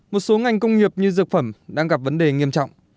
một số ngành công nghiệp như dược phẩm đang gặp vấn đề nghiêm trọng